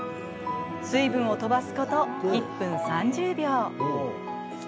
水分を飛ばすこと１分３０秒。